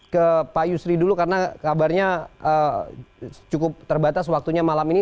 ke pak yusri dulu karena kabarnya cukup terbatas waktunya malam ini